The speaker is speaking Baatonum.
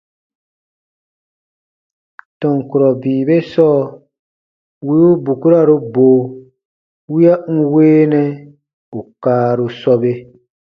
Tɔn kurɔ bii be sɔɔ wì u bukuraru bo wiya n weenɛ ù kaaru sɔbe.